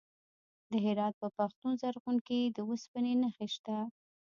د هرات په پښتون زرغون کې د وسپنې نښې شته.